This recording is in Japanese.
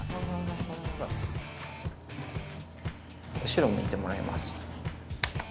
後ろ向いてもらいます。